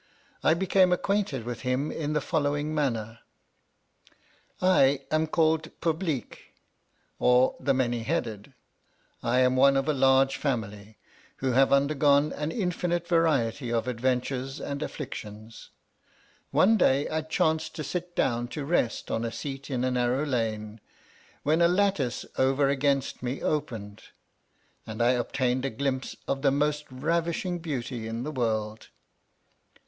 I became acquainted with him in the following manner. ' I am called PUBLEEK, or The Many Headed. I am one of a large family, who have under gone an infinite variety of adventures and afflictions. One day, I chanced to sit down to rest on a seat in a narrow lane, when a lattice over against me opened, and I obtained a glimpse of the most ravishing Beauty in the world.